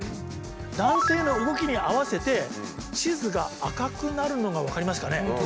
男性の動きに合わせて地図が赤くなるのが分かりますかね。